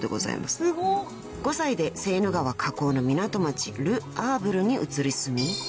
［５歳でセーヌ川河口の港町ル・アーヴルに移り住み］